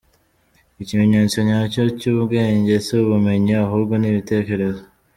Ikimenyetso nyacyo cy’ubwenge si ubumenyi ahubwo ni ibitekerezo.